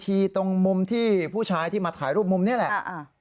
ตรงมุมที่ผู้ชายที่มาถ่ายรูปมุมนี้แหละ